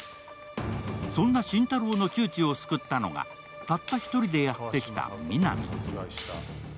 そんな心太朗の窮地を救ったのがたった１人でやってきた皆実。